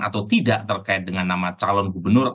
atau tidak terkait dengan nama calon gubernur